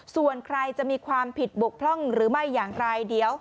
ส่วนใครจะมีความผิดบกพร่องหรือไม่อย่างไรเดี๋ยว